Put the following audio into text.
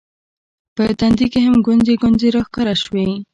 په تندي هم ګونځې ګونځې راښکاره شوې